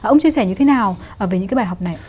ông chia sẻ như thế nào về những cái bài học này